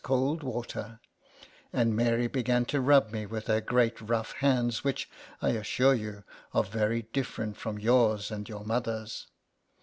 cold water, and Mary began to rub me with her great rough hands, which, I assure you, are very different from yours and your mother's.